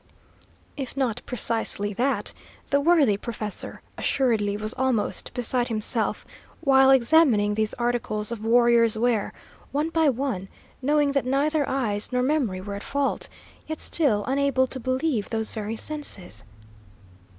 If not precisely that, the worthy professor assuredly was almost beside himself while examining these articles of warrior's wear, one by one, knowing that neither eyes nor memory were at fault, yet still unable to believe those very senses.